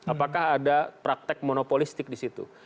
apakah ada praktek monopolistik disitu